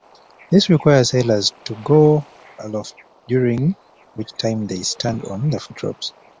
This requires sailors to go aloft, during which time they stand on the footropes.